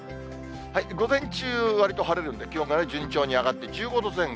午前中、わりと晴れるんで、気温が順調に上がって１５度前後。